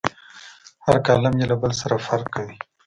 هر کالم یې له بل سره فرق کوي.